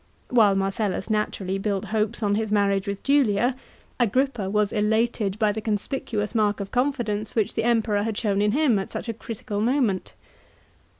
While Marcellus naturally built hopes on his marriage with Julia, Asrippa was elated by the conspicuous mark of confidence which the Emperor had shown in him at such a critical moment.